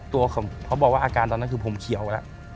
เขาบอกว่าอาการตอนนั้นคือผมเขียวแล้ว